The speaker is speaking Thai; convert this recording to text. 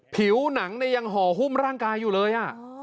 ผิวหนังยังห่อหุ้มร่างกายอยู่เลย